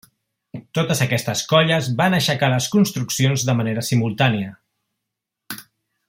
Totes aquestes colles van aixecar les construccions de manera simultània.